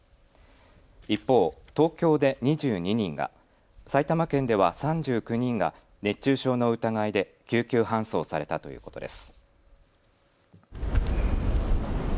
一方、東京で２２人が、埼玉県では３９人が熱中症の疑いで救急搬送されたということです。